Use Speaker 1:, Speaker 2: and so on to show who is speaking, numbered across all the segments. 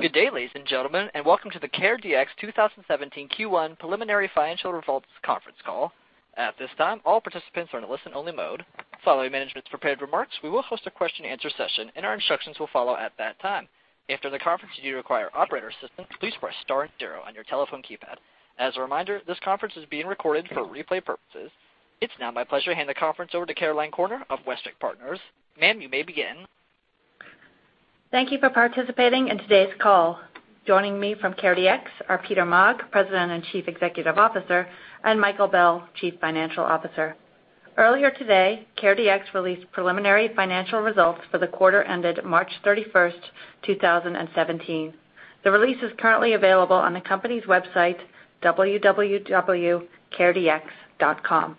Speaker 1: Good day, ladies and gentlemen, and welcome to the CareDx 2017 Q1 preliminary financial results conference call. At this time, all participants are in a listen-only mode. Following management's prepared remarks, we will host a question and answer session, and our instructions will follow at that time. After the conference, if you require operator assistance, please press star zero on your telephone keypad. As a reminder, this conference is being recorded for replay purposes. It's now my pleasure to hand the conference over to Mark Klausner of Westwicke Partners. Ma'am, you may begin.
Speaker 2: Thank you for participating in today's call. Joining me from CareDx are Peter Maag, President and Chief Executive Officer, and Michael Bell, Chief Financial Officer. Earlier today, CareDx released preliminary financial results for the quarter ended March 31st, 2017. The release is currently available on the company's website, www.caredx.com.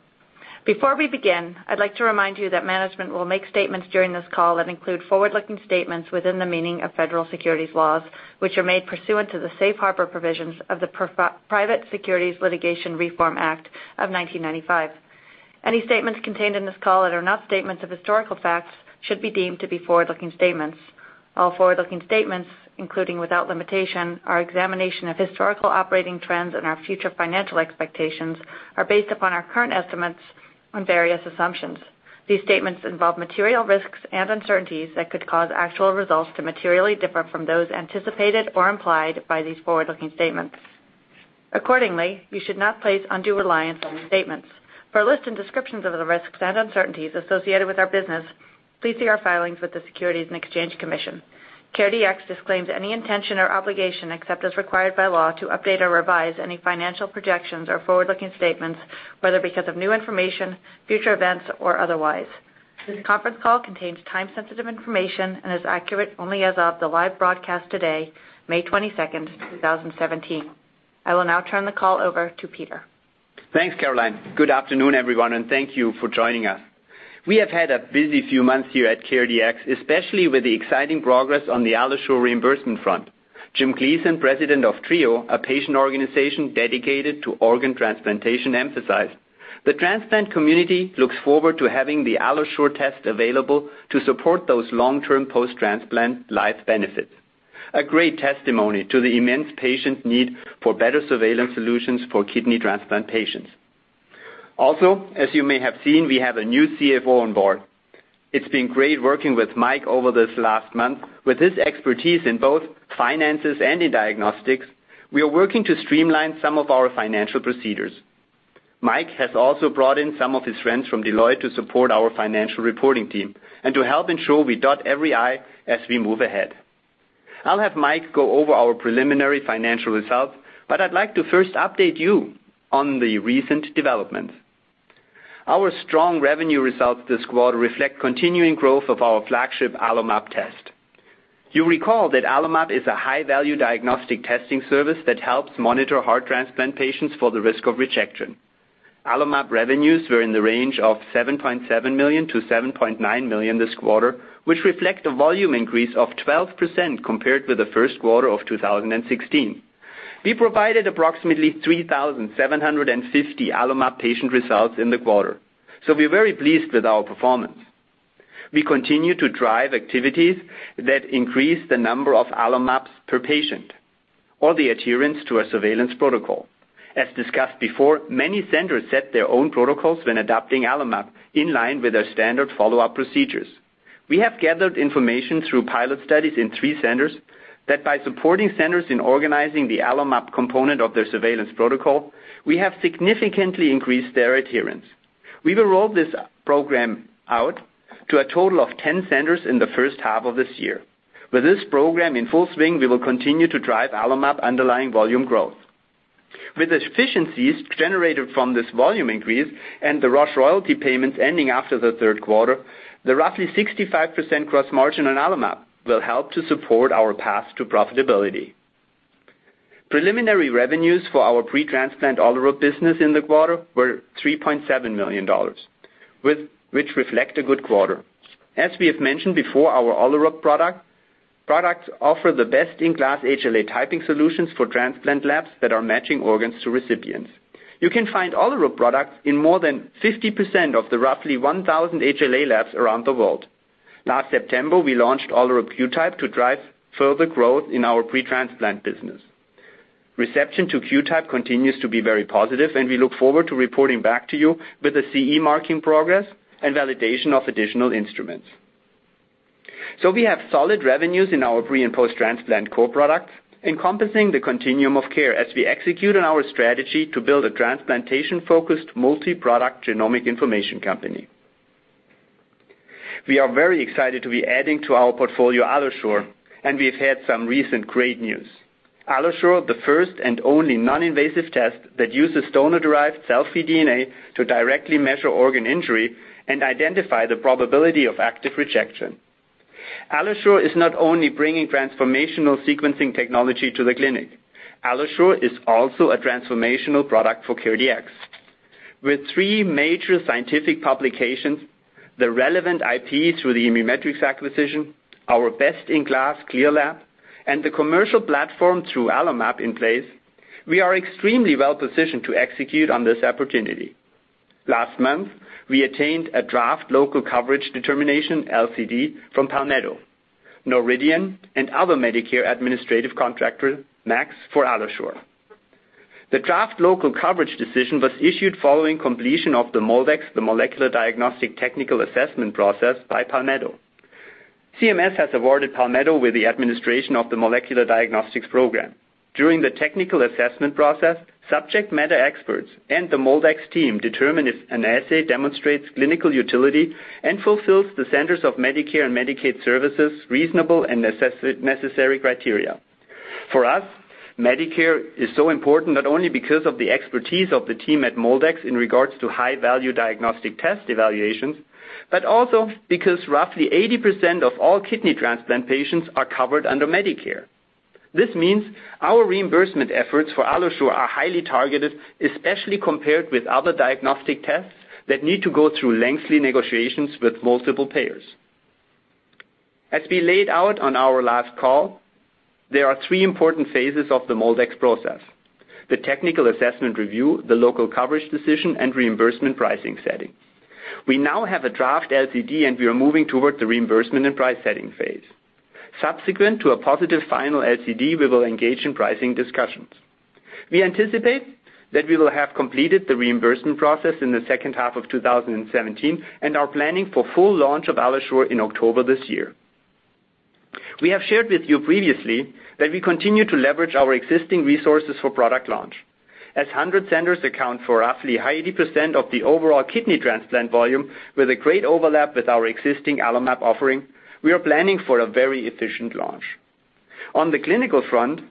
Speaker 2: Before we begin, I'd like to remind you that management will make statements during this call that include forward-looking statements within the meaning of federal securities laws, which are made pursuant to the Safe Harbor provisions of the Private Securities Litigation Reform Act of 1995. Any statements contained in this call that are not statements of historical facts should be deemed to be forward-looking statements. All forward-looking statements, including, without limitation, our examination of historical operating trends and our future financial expectations, are based upon our current estimates on various assumptions. These statements involve material risks and uncertainties that could cause actual results to materially differ from those anticipated or implied by these forward-looking statements. Accordingly, you should not place undue reliance on these statements. For a list and descriptions of the risks and uncertainties associated with our business, please see our filings with the Securities and Exchange Commission. CareDx disclaims any intention or obligation, except as required by law, to update or revise any financial projections or forward-looking statements, whether because of new information, future events, or otherwise. This conference call contains time-sensitive information and is accurate only as of the live broadcast today, May 22nd, 2017. I will now turn the call over to Peter.
Speaker 3: Thanks, Mark. Good afternoon, everyone, and thank you for joining us. We have had a busy few months here at CareDx, especially with the exciting progress on the AlloSure reimbursement front. Jim Gleason, President of TRIO, a patient organization dedicated to organ transplantation, emphasized, "The transplant community looks forward to having the AlloSure test available to support those long-term post-transplant life benefits." A great testimony to the immense patient need for better surveillance solutions for kidney transplant patients. Also, as you may have seen, we have a new CFO on board. It's been great working with Mike over this last month. With his expertise in both finances and in diagnostics, we are working to streamline some of our financial procedures. Mike has also brought in some of his friends from Deloitte to support our financial reporting team and to help ensure we dot every I as we move ahead. I'll have Mike go over our preliminary financial results, but I'd like to first update you on the recent developments. Our strong revenue results this quarter reflect continuing growth of our flagship AlloMap test. You'll recall that AlloMap is a high-value diagnostic testing service that helps monitor heart transplant patients for the risk of rejection. AlloMap revenues were in the range of $7.7 million-$7.9 million this quarter, which reflect a volume increase of 12% compared with the first quarter of 2016. We provided approximately 3,750 AlloMap patient results in the quarter, so we're very pleased with our performance. We continue to drive activities that increase the number of AlloMaps per patient or the adherence to a surveillance protocol. As discussed before, many centers set their own protocols when adopting AlloMap in line with their standard follow-up procedures. We have gathered information through pilot studies in three centers that by supporting centers in organizing the AlloMap component of their surveillance protocol, we have significantly increased their adherence. We will roll this program out to a total of 10 centers in the first half of this year. With this program in full swing, we will continue to drive AlloMap underlying volume growth. With the efficiencies generated from this volume increase and the Rush royalty payments ending after the third quarter, the roughly 65% gross margin on AlloMap will help to support our path to profitability. Preliminary revenues for our pre-transplant Olerup business in the quarter were $3.7 million, which reflect a good quarter. As we have mentioned before, our Olerup products offer the best-in-class HLA typing solutions for transplant labs that are matching organs to recipients. You can find Olerup products in more than 50% of the roughly 1,000 HLA labs around the world. Last September, we launched Olerup QTYPE to drive further growth in our pre-transplant business. Reception to QTYPE continues to be very positive, and we look forward to reporting back to you with the CE marking progress and validation of additional instruments. We have solid revenues in our pre- and post-transplant core products encompassing the continuum of care as we execute on our strategy to build a transplantation-focused multi-product genomic information company. We are very excited to be adding to our portfolio AlloSure, and we've had some recent great news. AlloSure, the first and only non-invasive test that uses donor-derived cell-free DNA to directly measure organ injury and identify the probability of active rejection. AlloSure is not only bringing transformational sequencing technology to the clinic, AlloSure is also a transformational product for CareDx. With three major scientific publications, the relevant IP through the ImmuMetrix acquisition, our best-in-class CLIA lab, and the commercial platform through AlloMap in place, we are extremely well-positioned to execute on this opportunity. Last month, we attained a draft local coverage determination, LCD, from Palmetto, Noridian, and other Medicare administrative contractor, MACs, for AlloSure. The draft local coverage decision was issued following completion of the MolDX, the molecular diagnostic technical assessment process by Palmetto. CMS has awarded Palmetto with the administration of the molecular diagnostics program. During the technical assessment process, subject matter experts and the MolDX team determine if an assay demonstrates clinical utility and fulfills the Centers for Medicare and Medicaid Services reasonable and necessary criteria. For us, Medicare is so important not only because of the expertise of the team at MolDX in regards to high-value diagnostic test evaluations, but also because roughly 80% of all kidney transplant patients are covered under Medicare. This means our reimbursement efforts for AlloSure are highly targeted, especially compared with other diagnostic tests that need to go through lengthy negotiations with multiple payers. As we laid out on our last call, there are three important phases of the MolDX process: the technical assessment review, the local coverage decision, and reimbursement pricing setting. We now have a draft LCD, and we are moving toward the reimbursement and price-setting phase. Subsequent to a positive final LCD, we will engage in pricing discussions. We anticipate that we will have completed the reimbursement process in the second half of 2017 and are planning for full launch of AlloSure in October this year. We have shared with you previously that we continue to leverage our existing resources for product launch. As 100 centers account for roughly 80% of the overall kidney transplant volume with a great overlap with our existing AlloMap offering, we are planning for a very efficient launch. On the clinical front,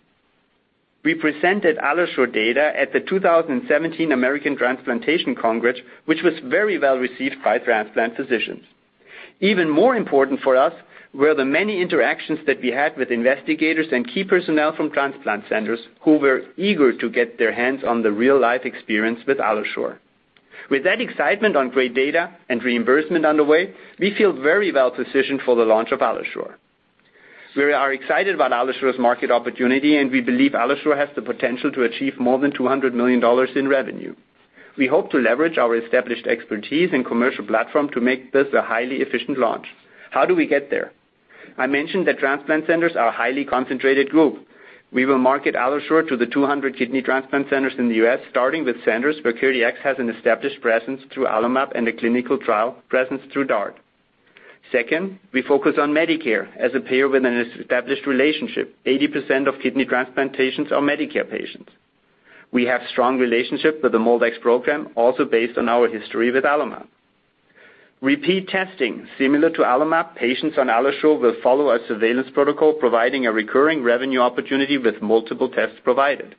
Speaker 3: we presented AlloSure data at the 2017 American Transplant Congress, which was very well-received by transplant physicians. Even more important for us were the many interactions that we had with investigators and key personnel from transplant centers, who were eager to get their hands on the real-life experience with AlloSure. With that excitement on great data and reimbursement underway, we feel very well-positioned for the launch of AlloSure. We are excited about AlloSure's market opportunity, and we believe AlloSure has the potential to achieve more than $200 million in revenue. We hope to leverage our established expertise and commercial platform to make this a highly efficient launch. How do we get there? I mentioned that transplant centers are a highly concentrated group. We will market AlloSure to the 200 kidney transplant centers in the U.S., starting with centers where CareDx has an established presence through AlloMap and a clinical trial presence through DART. Second, we focus on Medicare as a payer with an established relationship. 80% of kidney transplantations are Medicare patients. We have strong relationships with the MolDX program, also based on our history with AlloMap. Repeat testing. Similar to AlloMap, patients on AlloSure will follow a surveillance protocol providing a recurring revenue opportunity with multiple tests provided.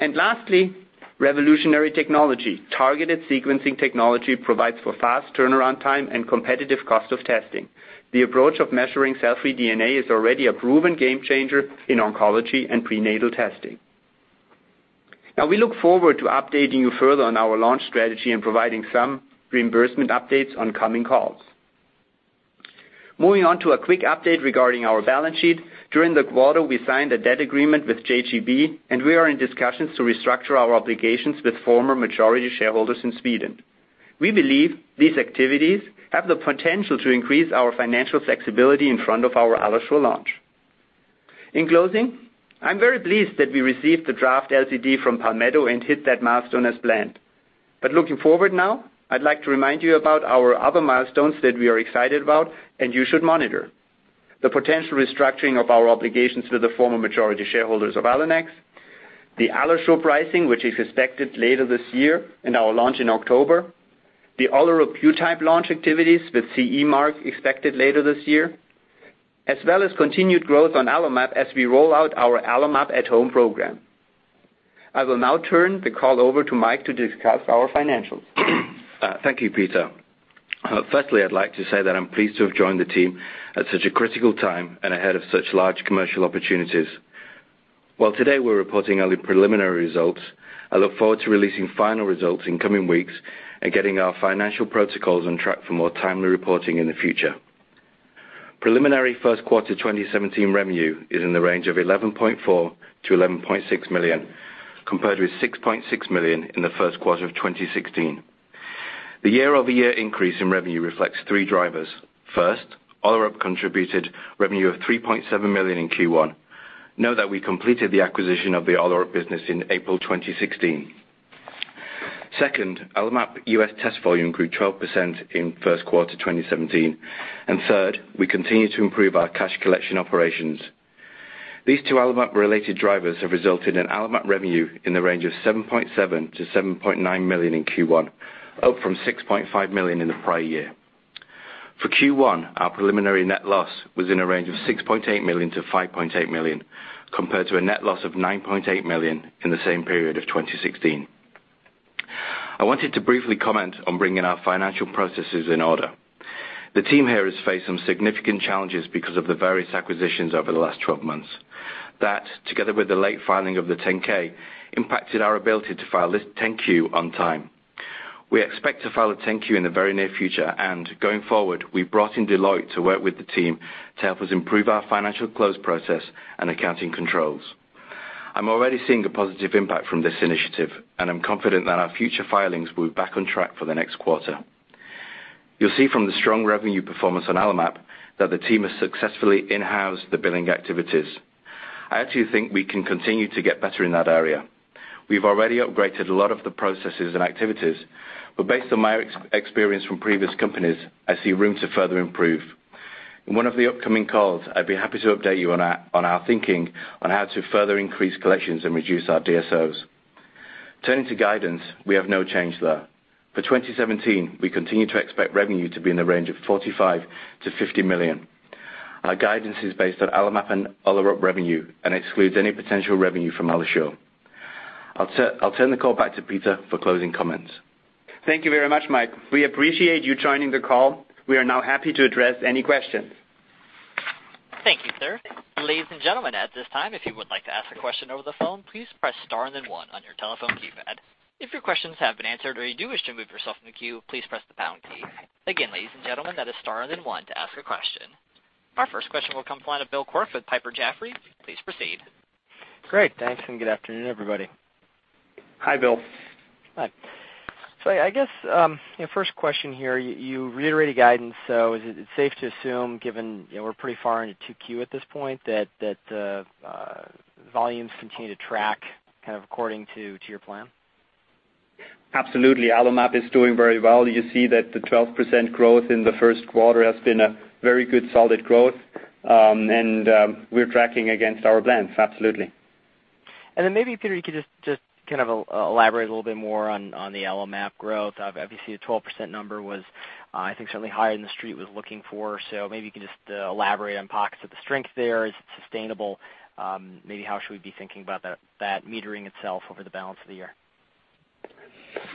Speaker 3: Lastly, revolutionary technology. Targeted sequencing technology provides for fast turnaround time and competitive cost of testing. The approach of measuring cell-free DNA is already a proven game changer in oncology and prenatal testing. We look forward to updating you further on our launch strategy and providing some reimbursement updates on coming calls. Moving on to a quick update regarding our balance sheet. During the quarter, we signed a debt agreement with JGB, and we are in discussions to restructure our obligations with former majority shareholders in Sweden. We believe these activities have the potential to increase our financial flexibility in front of our AlloSure launch. In closing, I'm very pleased that we received the draft LCD from Palmetto and hit that milestone as planned. Looking forward now, I'd like to remind you about our other milestones that we are excited about and you should monitor. The potential restructuring of our obligations to the former majority shareholders of Allenex. The AlloSure pricing, which is expected later this year and our launch in October. The Olerup QTYPE launch activities with CE mark expected later this year, as well as continued growth on AlloMap as we roll out our AlloMap at home program. I will now turn the call over to Mike to discuss our financials.
Speaker 4: Thank you, Peter. Firstly, I'd like to say that I'm pleased to have joined the team at such a critical time and ahead of such large commercial opportunities. While today we're reporting only preliminary results, I look forward to releasing final results in the coming weeks and getting our financial protocols on track for more timely reporting in the future. Preliminary first quarter 2017 revenue is in the range of $11.4 million-$11.6 million, compared with $6.6 million in the first quarter of 2016. The year-over-year increase in revenue reflects three drivers. First, [AlloRep] contributed revenue of $3.7 million in Q1. Note that we completed the acquisition of the [AlloRep] business in April 2016. Second, AlloMap U.S. test volume grew 12% in the first quarter 2017. Third, we continue to improve our cash collection operations. These two AlloMap-related drivers have resulted in AlloMap revenue in the range of $7.7 million-$7.9 million in Q1, up from $6.5 million in the prior year. For Q1, our preliminary net loss was in a range of $6.8 million-$5.8 million, compared to a net loss of $9.8 million in the same period of 2016. I wanted to briefly comment on bringing our financial processes in order. The team here has faced some significant challenges because of the various acquisitions over the last 12 months. That, together with the late filing of the 10-K, impacted our ability to file this 10-Q on time. We expect to file a 10-Q in the very near future. Going forward, we brought in Deloitte to work with the team to help us improve our financial close process and accounting controls. I'm already seeing a positive impact from this initiative. I'm confident that our future filings will be back on track for the next quarter. You'll see from the strong revenue performance on AlloMap that the team has successfully in-housed the billing activities. I actually think we can continue to get better in that area. We've already upgraded a lot of the processes and activities. Based on my experience from previous companies, I see room to further improve. In one of the upcoming calls, I'd be happy to update you on our thinking on how to further increase collections and reduce our DSOs. Turning to guidance, we have no change there. For 2017, we continue to expect revenue to be in the range of $45 million-$50 million. Our guidance is based on AlloMap and AlloMap revenue and excludes any potential revenue from AlloSure. I'll turn the call back to Peter for closing comments.
Speaker 3: Thank you very much, Mike. We appreciate you joining the call. We are now happy to address any questions.
Speaker 1: Thank you, sir. Ladies and gentlemen, at this time, if you would like to ask a question over the phone, please press star and then one on your telephone keypad. If your questions have been answered or you do wish to remove yourself from the queue, please press the pound key. Again, ladies and gentlemen, that is star and then one to ask a question. Our first question will come from the line of William Quirk with Piper Jaffray. Please proceed.
Speaker 5: Great. Thanks. Good afternoon, everybody.
Speaker 3: Hi, Bill.
Speaker 5: Hi. I guess, first question here, you reiterated guidance. Is it safe to assume, given we're pretty far into 2Q at this point, that volumes continue to track kind of according to your plan?
Speaker 3: Absolutely. AlloMap is doing very well. You see that the 12% growth in the first quarter has been a very good, solid growth. We're tracking against our plans, absolutely.
Speaker 5: Then maybe, Peter, you could just kind of elaborate a little bit more on the AlloMap growth. Obviously, the 12% number was, I think, certainly higher than the street was looking for. Maybe you can just elaborate on pockets of the strength there. Is it sustainable? Maybe how should we be thinking about that metering itself over the balance of the year?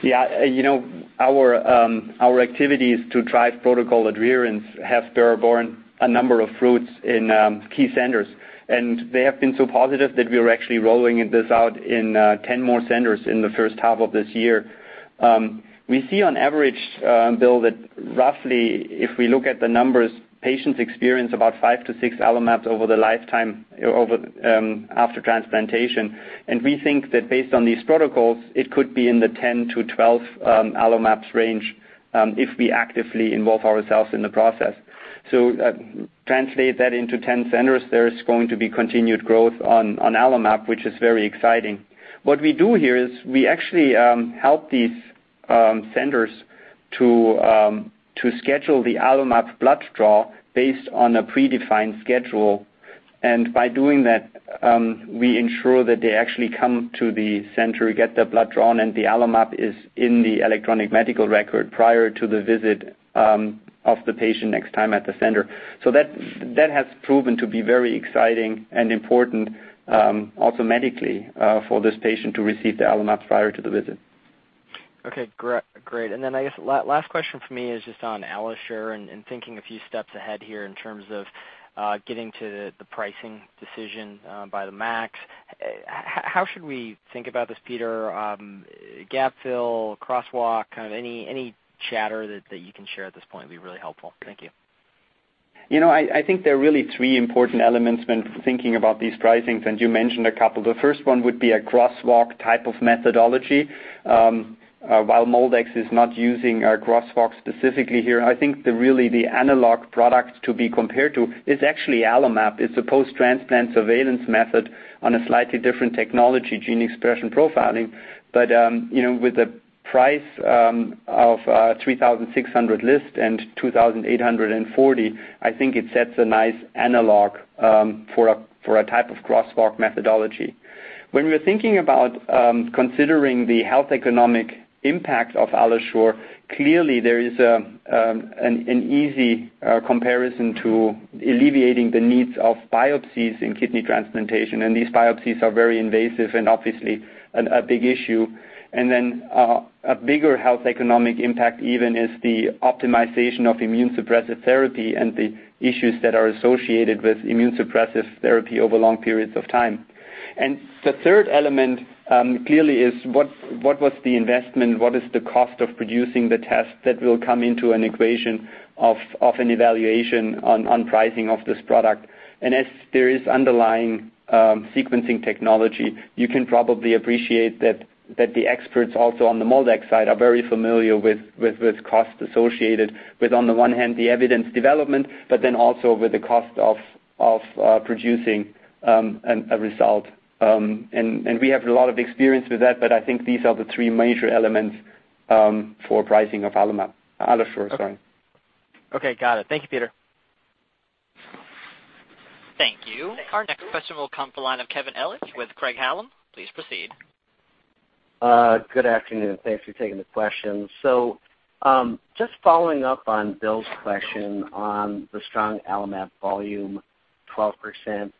Speaker 3: Yeah. Our activities to drive protocol adherence have borne a number of fruits in key centers, and they have been so positive that we are actually rolling this out in 10 more centers in the first half of this year. We see on average, Bill, that roughly, if we look at the numbers, patients experience about 5 to 6 AlloMaps over the lifetime after transplantation. We think that based on these protocols, it could be in the 10 to 12 AlloMaps range, if we actively involve ourselves in the process. Translate that into 10 centers, there is going to be continued growth on AlloMap, which is very exciting. What we do here is we actually help these centers to schedule the AlloMap blood draw based on a predefined schedule. By doing that, we ensure that they actually come to the center, get their blood drawn, and the AlloMap is in the electronic medical record prior to the visit of the patient next time at the center. That has proven to be very exciting and important automatically for this patient to receive the AlloMap prior to the visit.
Speaker 5: Okay, great. I guess last question from me is just on AlloSure and thinking a few steps ahead here in terms of getting to the pricing decision by the MACs. How should we think about this, Peter? Gap fill, crosswalk, kind of any chatter that you can share at this point would be really helpful. Thank you.
Speaker 3: I think there are really three important elements when thinking about these pricings, and you mentioned a couple. The first one would be a crosswalk type of methodology. While MolDX is not using a crosswalk specifically here, I think really the analog product to be compared to is actually AlloMap. It's a post-transplant surveillance method on a slightly different technology, gene expression profiling. With the price of $3,600 list and $2,840, I think it sets a nice analog for a type of crosswalk methodology. When we're thinking about considering the health economic impact of AlloSure, clearly there is an easy comparison to alleviating the needs of biopsies in kidney transplantation, and these biopsies are very invasive and obviously a big issue. A bigger health economic impact even is the optimization of immune suppressive therapy and the issues that are associated with immune suppressive therapy over long periods of time. The third element clearly is what was the investment? What is the cost of producing the test that will come into an equation of an evaluation on pricing of this product? As there is underlying sequencing technology, you can probably appreciate that the experts also on the MolDX side are very familiar with cost associated with, on the one hand, the evidence development, but then also with the cost of producing a result. We have a lot of experience with that, but I think these are the three major elements for pricing of AlloMap. AlloSure, sorry.
Speaker 5: Okay, got it. Thank you, Peter.
Speaker 1: Thank you. Our next question will come from the line of Kevin Ellingson with Craig-Hallum. Please proceed.
Speaker 6: Good afternoon. Thanks for taking the question. Just following up on Bill's question on the strong AlloMap volume, 12%,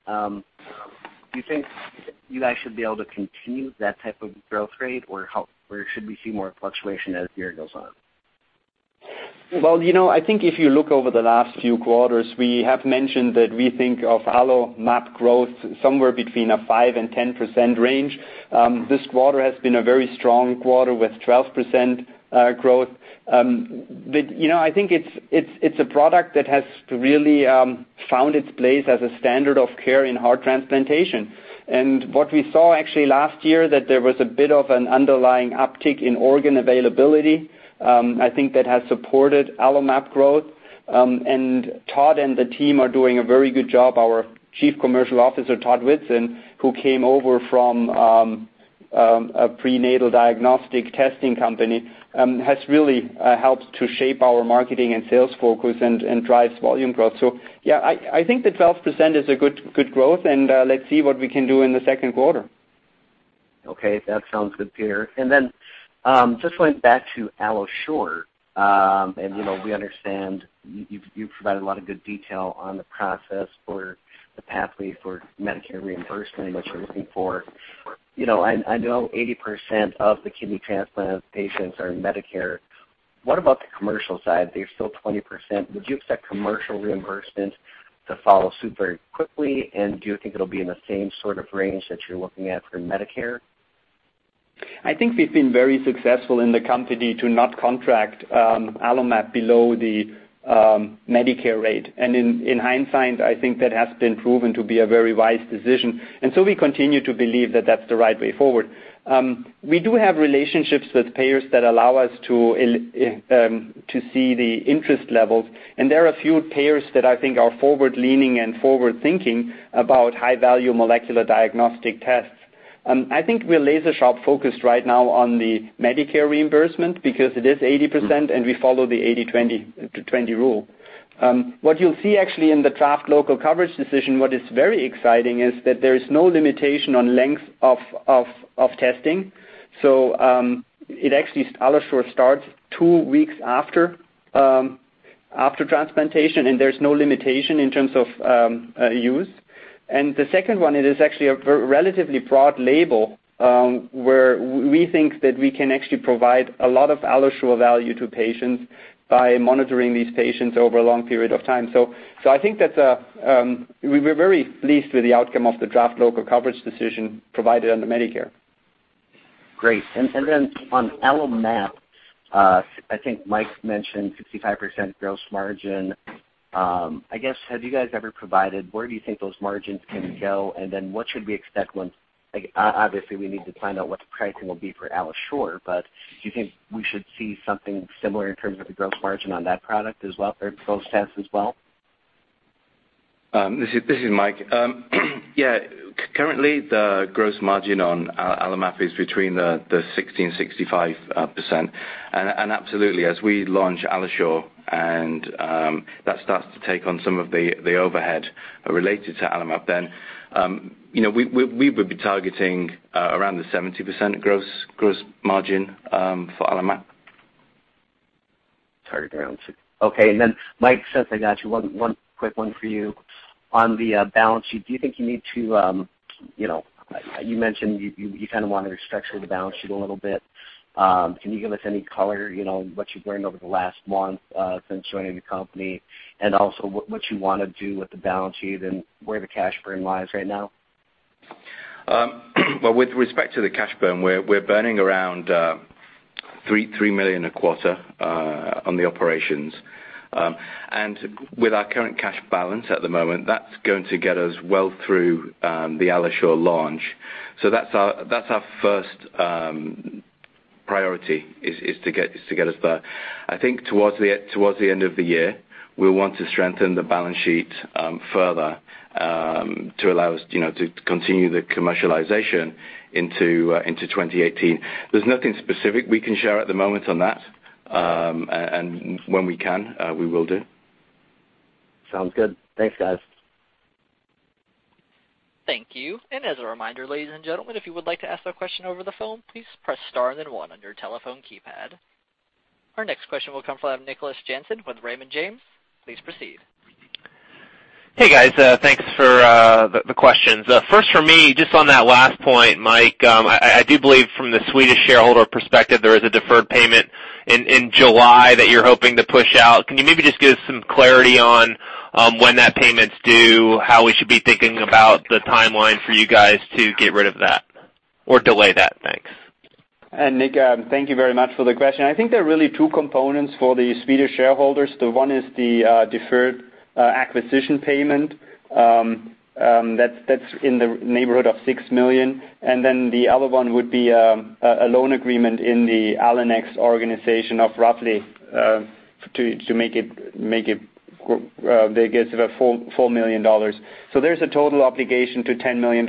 Speaker 6: do you think you guys should be able to continue that type of growth rate, or should we see more fluctuation as the year goes on?
Speaker 3: Well, I think if you look over the last few quarters, we have mentioned that we think of AlloMap growth somewhere between a 5%-10% range. This quarter has been a very strong quarter with 12% growth. I think it's a product that has really found its place as a standard of care in heart transplantation. What we saw actually last year, that there was a bit of an underlying uptick in organ availability. I think that has supported AlloMap growth. Todd and the team are doing a very good job. Our Chief Commercial Officer, Todd Whitson, who came over from a prenatal diagnostic testing company, has really helped to shape our marketing and sales focus and drives volume growth. Yeah, I think that 12% is a good growth and let's see what we can do in the second quarter.
Speaker 6: Okay, that sounds good, Peter. Just going back to AlloSure. We understand you've provided a lot of good detail on the process for the pathway for Medicare reimbursement, what you're looking for. I know 80% of the kidney transplant patients are Medicare. What about the commercial side? There's still 20%. Would you expect commercial reimbursement to follow suit very quickly, and do you think it'll be in the same sort of range that you're looking at for Medicare?
Speaker 3: I think we've been very successful in the company to not contract AlloMap below the Medicare rate. In hindsight, I think that has been proven to be a very wise decision. We continue to believe that that's the right way forward. We do have relationships with payers that allow us to see the interest levels, and there are a few payers that I think are forward-leaning and forward-thinking about high-value molecular diagnostic tests. I think we're laser-sharp focused right now on the Medicare reimbursement because it is 80% and we follow the 80/20 rule. What you'll see actually in the draft local coverage decision, what is very exciting is that there is no limitation on length of testing. Actually, AlloSure starts two weeks after transplantation, and there's no limitation in terms of use. The second one, it is actually a relatively broad label, where we think that we can actually provide a lot of AlloSure value to patients by monitoring these patients over a long period of time. I think that we were very pleased with the outcome of the draft local coverage decision provided under Medicare.
Speaker 6: Great. And then on AlloMap, I think Mike mentioned 65% gross margin. I guess, have you guys ever provided where do you think those margins can go, and then what should we expect once-- obviously, we need to find out what the pricing will be for AlloSure, but do you think we should see something similar in terms of the gross margin on that product as well, or gross tests as well?
Speaker 4: This is Mike. Yeah. Currently, the gross margin on AlloMap is between the 60% and 65%. Absolutely, as we launch AlloSure and that starts to take on some of the overhead related to AlloMap, we would be targeting around the 70% gross margin for AlloMap.
Speaker 6: Target around 70%. Okay. Mike, since I got you, one quick one for you. On the balance sheet, do you think you need to? You mentioned you kind of want to restructure the balance sheet a little bit. Can you give us any color, what you've learned over the last month, since joining the company, and also what you want to do with the balance sheet and where the cash burn lies right now?
Speaker 4: Well, with respect to the cash burn, we're burning around $3 million a quarter on the operations. With our current cash balance at the moment, that's going to get us well through the AlloSure launch. That's our first priority, is to get us there. I think towards the end of the year, we'll want to strengthen the balance sheet further, to allow us to continue the commercialization into 2018. There's nothing specific we can share at the moment on that. When we can, we will do.
Speaker 6: Sounds good. Thanks, guys.
Speaker 1: Thank you. As a reminder, ladies and gentlemen, if you would like to ask a question over the phone, please press star and then one on your telephone keypad. Our next question will come from Nicholas Jansen with Raymond James. Please proceed.
Speaker 7: Hey, guys. Thanks for the questions. First for me, just on that last point, Mike, I do believe from the Swedish shareholder perspective, there is a deferred payment in July that you're hoping to push out. Can you maybe just give some clarity on when that payment's due, how we should be thinking about the timeline for you guys to get rid of that or delay that? Thanks.
Speaker 3: Nick, thank you very much for the question. I think there are really two components for the Swedish shareholders. One is the deferred acquisition payment. That's in the neighborhood of $6 million. Then the other one would be a loan agreement in the Allenex organization of roughly, they get about $4 million. There's a total obligation to $10 million.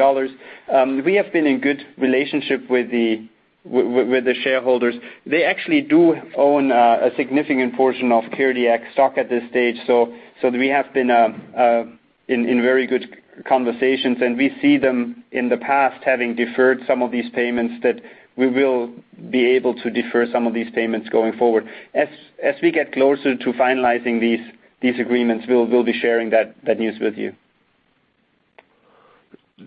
Speaker 3: We have been in good relationship with the shareholders. They actually do own a significant portion of CareDx stock at this stage, so we have been in very good conversations, and we see them in the past having deferred some of these payments that we will be able to defer some of these payments going forward. As we get closer to finalizing these agreements, we'll be sharing that news with you.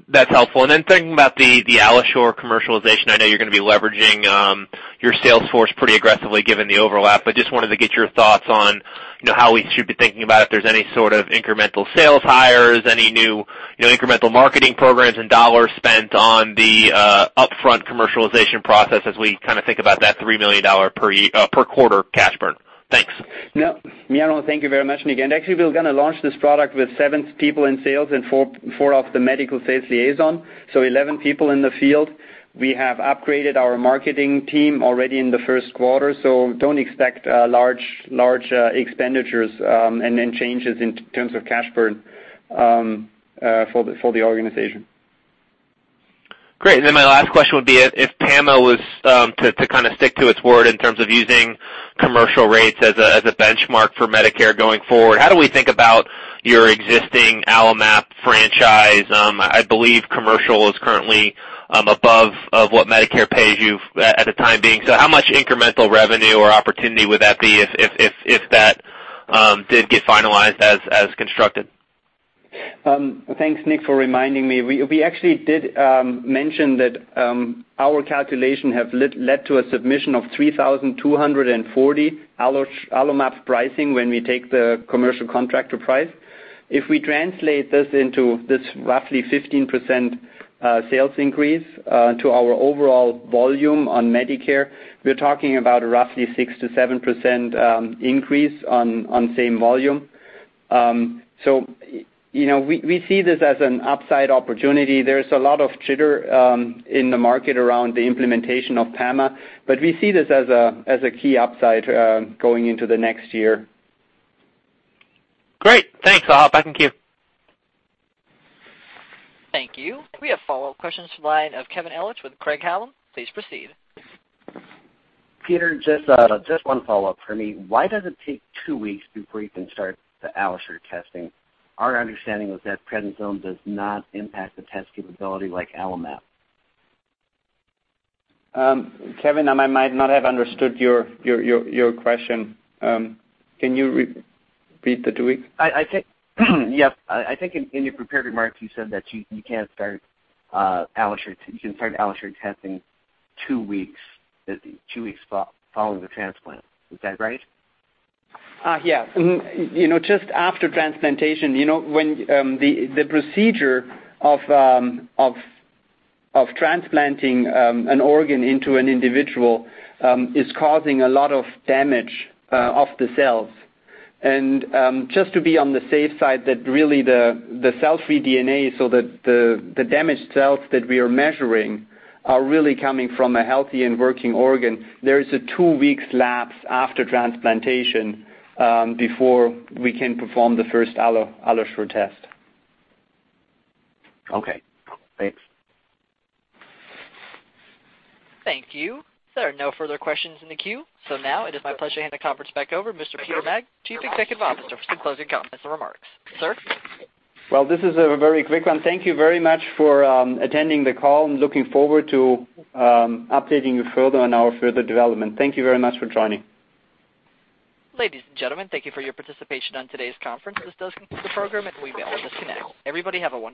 Speaker 7: That's helpful. Thinking about the AlloSure commercialization, I know you're going to be leveraging your sales force pretty aggressively given the overlap, but just wanted to get your thoughts on how we should be thinking about if there's any sort of incremental sales hires, any new incremental marketing programs and dollars spent on the upfront commercialization process as we think about that $3 million per quarter cash burn? Thanks.
Speaker 3: No. Thank you very much, Nick. Actually, we're going to launch this product with seven people in sales and four of the medical sales liaison, so 11 people in the field. We have upgraded our marketing team already in the first quarter, don't expect large expenditures, changes in terms of cash burn for the organization.
Speaker 7: Great. My last question would be, if PAMA was to stick to its word in terms of using commercial rates as a benchmark for Medicare going forward, how do we think about your existing AlloMap franchise? I believe commercial is currently above of what Medicare pays you for at the time being. How much incremental revenue or opportunity would that be if that did get finalized as constructed?
Speaker 3: Thanks, Nick, for reminding me. We actually did mention that our calculation have led to a submission of 3,240 AlloMap pricing when we take the commercial contractor price. If we translate this into this roughly 15% sales increase to our overall volume on Medicare, we're talking about roughly 6%-7% increase on same volume. We see this as an upside opportunity. There's a lot of chatter in the market around the implementation of PAMA, we see this as a key upside going into the next year.
Speaker 7: Great. Thanks. I'll hop back in queue.
Speaker 1: Thank you. We have follow-up questions from the line of Kevin Ellingson with Craig-Hallum. Please proceed.
Speaker 6: Peter, just one follow-up for me. Why does it take two weeks before you can start the AlloSure testing? Our understanding was that prednisone does not impact the test capability like AlloMap.
Speaker 3: Kevin, I might not have understood your question. Can you repeat the two weeks?
Speaker 6: Yep. I think in your prepared remarks, you said that you can start AlloSure testing two weeks following the transplant. Is that right?
Speaker 3: Yeah. Just after transplantation, when the procedure of transplanting an organ into an individual is causing a lot of damage of the cells. Just to be on the safe side that really the cell-free DNA, so the damaged cells that we are measuring are really coming from a healthy and working organ, there is a two-week lapse after transplantation before we can perform the first AlloSure test.
Speaker 6: Okay, thanks.
Speaker 1: Thank you. There are no further questions in the queue. Now it is my pleasure to hand the conference back over Mr. Peter Maag, Chief Executive Officer, for some closing comments and remarks. Sir?
Speaker 3: Well, this is a very quick one. Thank you very much for attending the call, and looking forward to updating you further on our further development. Thank you very much for joining.
Speaker 1: Ladies and gentlemen, thank you for your participation on today's conference. This does conclude the program, and we will disconnect. Everybody have a wonderful day.